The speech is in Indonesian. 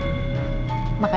hai hai hai selangkang